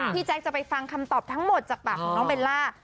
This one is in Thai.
แจ๊คจะไปฟังคำตอบทั้งหมดจากปากของน้องเบลล่า